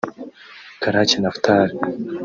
Karake Naphtal